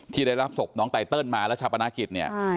ที่ได้รับศพน้องไตเติลมาแล้วชาปนากิจเนี่ย